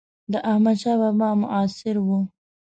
د احمدشاه بابا معاصر و.